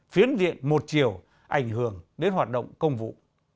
phiến diện một chiều ảnh hưởng đến hoạt động công vụ